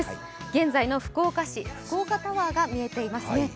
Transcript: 現在の福岡市、福岡タワーが見えていますね。